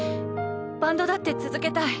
バンドだって続けたい。